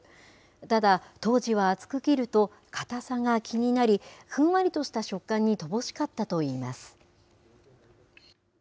ただ、当時は厚く切ると固さが気になり、ふんわりとした食感に乏しかったといいます。